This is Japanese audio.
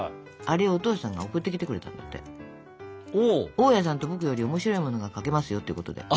「大家さんと僕」より面白いものが描けますよってことで。